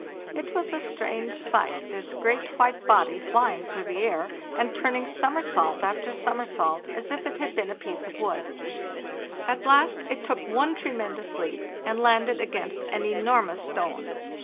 It was a strange sight, this great white body flying through the air, and turning somersault after som ersault, as if it had been a piece of wood. At last it took one tremendous leap, and landed against an enormous stone.